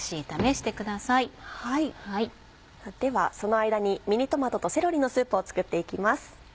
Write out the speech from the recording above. ではその間にミニトマトとセロリのスープを作っていきます。